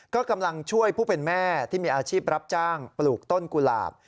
ก็กำลังช่วยผู้เป็นแม่ที่มีอาชีพรับจ้างปลูกต้นกุหลาบ